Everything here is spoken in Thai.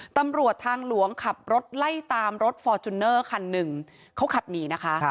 ตำรวจทางหลวงขับรถไล่ตามรถฟอร์จูเนอร์คันหนึ่งเขาขับหนีนะคะ